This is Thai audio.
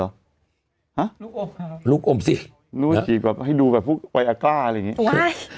ลูกอมลูกอมสิลูกอมสิแบบให้ดูแบบวัยอากราอะไรอย่างนี้